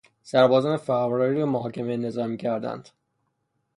سربازان فراری را محاکمه نظامی کردند.